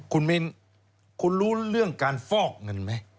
คุณมินคุณรู้เรื่องการฟอกเงินไหม